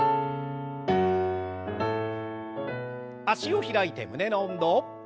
脚を開いて胸の運動。